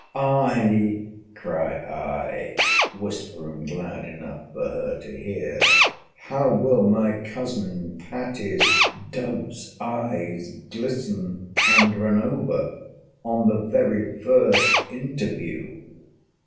'Ay, cry I, (whispering loud enough for her to hear,) how will my cousin Patty's dove's eyes glisten and run over, on the very first interview!